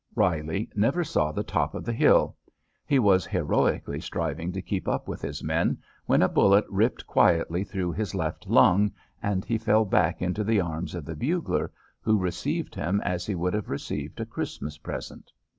Reilly never saw the top of the hill. He was heroically striving to keep up with his men when a bullet ripped quietly through his left lung, and he fell back into the arms of the bugler, who received him as he would have received a Christmas present.